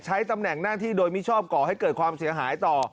ตำแหน่งหน้าที่โดยมิชอบก่อให้เกิดความเสียหายต่อ